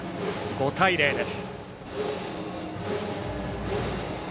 ５対０です。